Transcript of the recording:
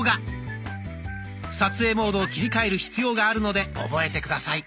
撮影モードを切り替える必要があるので覚えて下さい。